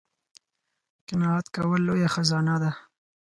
قناعت کول لویه خزانه ده